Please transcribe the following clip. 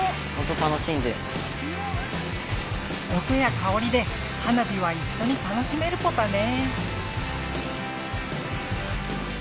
音やかおりで花火はいっしょに楽しめるポタね